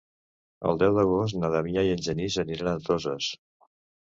El deu d'agost na Damià i en Genís aniran a Toses.